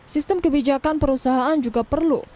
sistem kebijakan perusahaan juga perlu